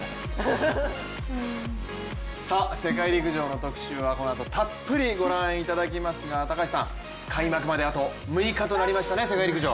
世界陸上の特集はこのあとたっぷりご覧いただきますが高橋さん、開幕まであと６日となりましたね、世界陸上。